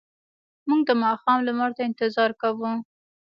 موږ د ماښام لمر ته انتظار کاوه.